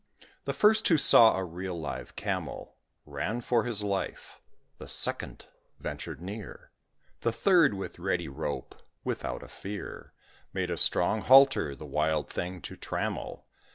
The first who saw a real live Camel Ran for his life; the second ventured near; The third, with ready rope, without a fear, Made a strong halter the wild thing to trammel.